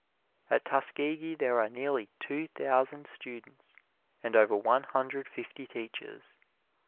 At Tuskegee there are nearly two thousand students, and over one hundred fifty teachers.